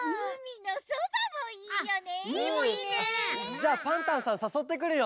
じゃあパンタンさんさそってくるよ。